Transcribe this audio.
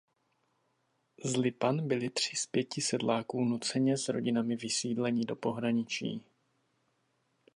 Z Lipan byli tři z pěti sedláků nuceně s rodinami vysídleni do pohraničí.